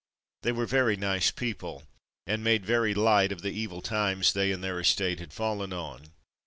They were very nice people, and made very light of the evil times they and their estate had fallen on.